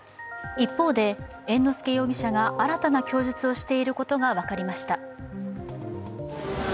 一方で、猿之助容疑者が新たな供述をしていることが分かりました。